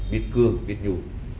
biết cương biết nhủ